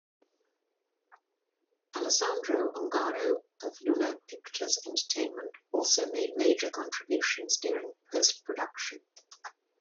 Alessandro Ongaro of Luna Pictures Entertainment also made major contributions during post production.